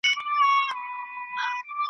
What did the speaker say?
له مستۍ به یې په ډزو کي شیشنی سو .